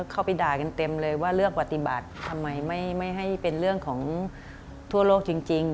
เข้าไปด่ากันเต็มเลยว่าเลือกปฏิบัติทำไมไม่ให้เป็นเรื่องของทั่วโลกจริง